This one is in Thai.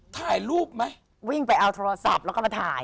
ถ่ายรูปไหมวิ่งไปเอาโทรศัพท์แล้วก็มาถ่าย